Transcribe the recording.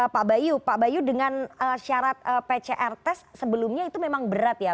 pak bayu pak bayu dengan syarat pcr test sebelumnya itu memang berat ya